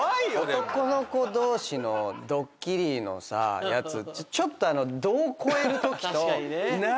男の子同士のドッキリのやつちょっと度を越えるときと長いやつとかあるやん。